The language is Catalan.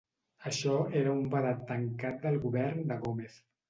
Això era un vedat tancat del govern de Gómez.